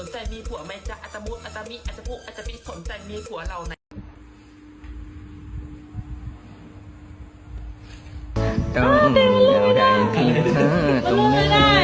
แบบมีผัวไม่เจ๋ยอะตะมูอะตะมีอะตะมู